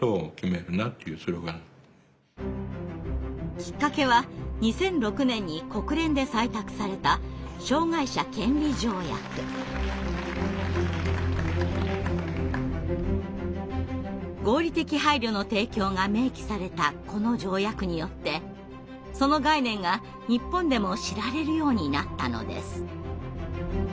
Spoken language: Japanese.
きっかけは２００６年に国連で採択された合理的配慮の提供が明記されたこの条約によってその概念が日本でも知られるようになったのです。